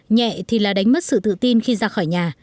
nhẹ thì là đánh mất sự tự tin khi ra khỏi nhà